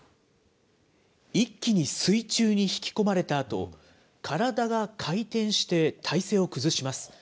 一気に水中に引き込まれたあと、体が回転して、体勢を崩します。